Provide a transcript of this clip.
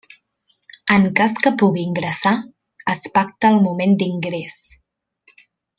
En cas que pugui ingressar, es pacta el moment d'ingrés.